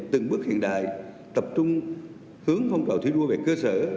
từng bước hiện đại tập trung hướng phong trào thi đua về cơ sở